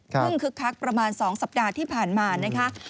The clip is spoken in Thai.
คึกคักประมาณ๒สัปดาห์ที่ผ่านมานะคะ